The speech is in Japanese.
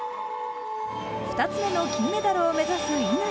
２つ目の金メダルを目指す乾。